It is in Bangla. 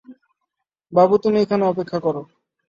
বাবু তুমি এখানে অপেক্ষা করো।